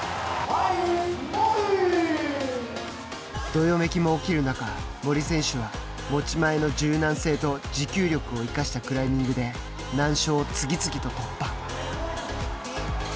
どよめきも起きる中、森選手は持ち前の柔軟性と持久力を生かしたクライミングで難所を次々と突破。